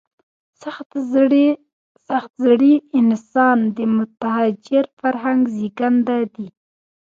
سخت زړي انسانان د متحجر فرهنګ زېږنده دي.